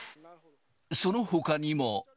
そのほかにも。